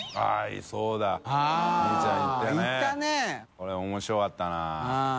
これ面白かったな。